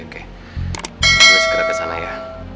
kita segera kesana ya